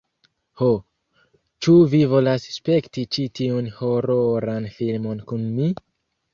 Ho, ĉu vi volas spekti ĉi tiun hororan filmon kun mi?